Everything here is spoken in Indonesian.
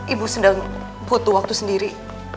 ibu sedang butuh waktu sendiri